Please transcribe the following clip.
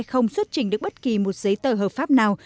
không xuất trình được bất kỳ một giấy tờ hợp pháp nào